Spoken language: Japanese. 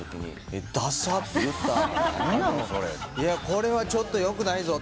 これはちょっとよくないぞ。